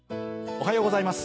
おはようございます。